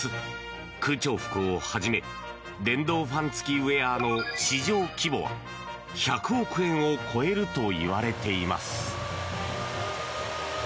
空調服をはじめ電動ファン付きウェアの市場規模は１００億円を超えるといわれています。